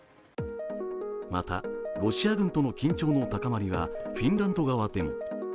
またロシア軍との緊張の高まりはフィンランド側でも。